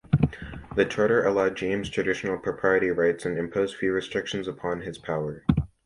The charter allowed James traditional propriety rights and imposed few restrictions upon his powers.